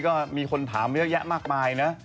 ก็มีคนถามเยอะแยะมากมายนะ